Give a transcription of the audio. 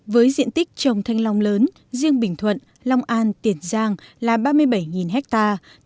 với diện tích trồng thanh long lớn riêng bình thuận long an tiền giang là ba mươi bảy hectare